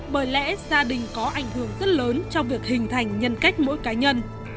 bởi lẽ gia đình có ảnh hưởng rất lớn trong việc hình thành nhân cách mỗi cá nhân